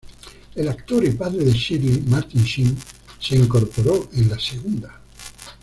El actor y padre de Charlie, Martin Sheen se incorporó en la segunda.